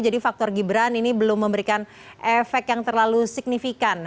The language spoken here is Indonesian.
jadi faktor gibran ini belum memberikan efek yang terlalu signifikan